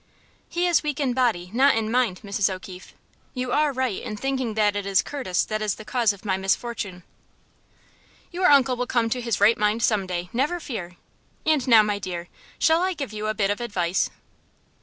"He is weak in body, not in mind, Mrs. O'Keefe. You are right in thinking that it is Curtis that is the cause of my misfortune." "Your uncle will come to his right mind some day, never fear! And now, my dear, shall I give you a bit of advice?"